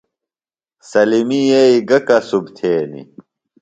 سلمی ییی گہ کسُب تھینی؟